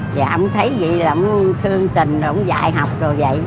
dạ ổng thấy vậy là ổng thương tình ổng dạy học rồi vậy